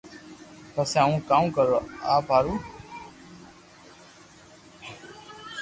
پسي ھون ڪاو ڪرو آپ رون